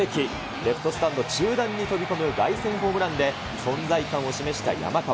レフトスタンド中段に飛び込む凱旋ホームランで、存在感を示した山川。